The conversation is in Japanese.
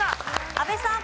阿部さん。